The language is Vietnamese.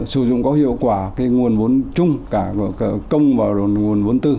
sử dụng có hiệu quả cái nguồn vốn chung cả công và nguồn vốn tư